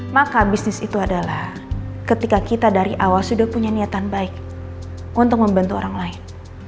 maka bisnis itu adalah ketika kita dari awal sudah punya niatan baik untuk membantu orang lain